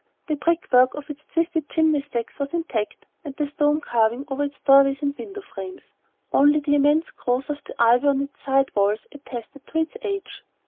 The brick work of its twisted chimney stacks was intact, and the stone carving over its doorways and window frames; only the immense growth of the ivy on its side walls attested to its age.